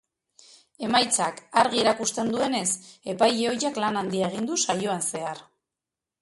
Emaitzak argi erakusten duenez, epaile ohiak lan handia egin du saioan zehar.